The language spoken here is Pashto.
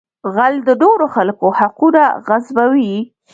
غل د نورو خلکو حقونه غصبوي